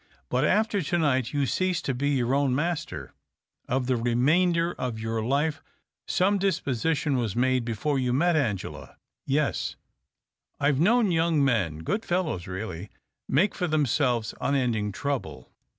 " But after to niglit you cease to be your own master ? Of the remainder of your life some disposition was made before you met Angela ?"" Yes." " I have known young men — good fellows, really — make for themselves unending trouble.